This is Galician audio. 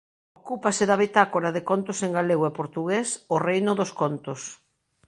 Ocúpase da bitácora de contos en galego e portugués "O reino dos contos".